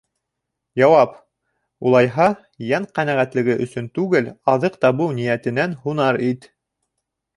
Яуап: Улайһа, йән ҡәнәғәтлеге өсөн түгел, аҙыҡ табыу ниәтенән һунар ит.